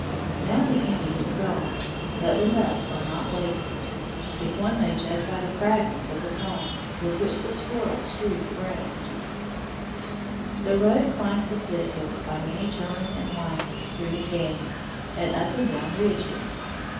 Now the Indians are gone, but the nuts are not wasted, if one may judge by the fragments of the cones with which the squirrels strew the ground. [Illustration: FIG. 123. THE DIGGER PINE] The road climbs the foot hills by many turns and windings through cañons and up and down ridges.